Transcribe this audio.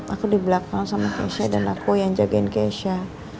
aku di belakang sama keisha dan aku yang jagain keisha